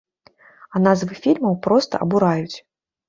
А назвы фільмаў проста абураюць.